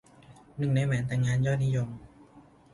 หนึ่งในแหวนแต่งงานยอดนิยม